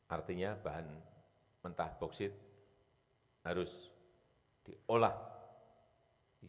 artinya bahan mentah bauksit harus diolah di dalam negeri